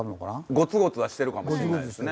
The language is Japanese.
ゴツゴツはしてるかもしれないですね。